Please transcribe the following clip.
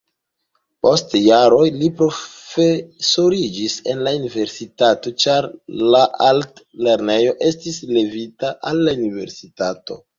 Post jaroj li profesoriĝis en la universitato, ĉar la altlernejo estis levita al universitato.